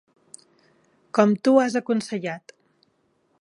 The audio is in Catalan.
Com tu has aconsellat.